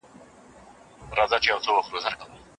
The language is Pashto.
دا پازه په سر کېږدئ.